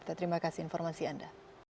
terima kasih informasi anda